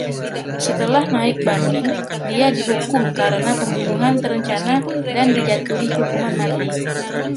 Setelah naik banding, dia dihukum karena pembunuhan terencana dan dijatuhi hukuman mati.